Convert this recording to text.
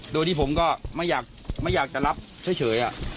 โดยที่ผมก็ไม่อยากจะรับเฉย